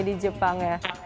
di jepang ya